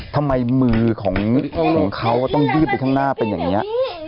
ทำไมมือของเขาต้องยื่นไปข้างหน้าเป็นอย่างนี้